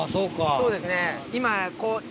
そうですね。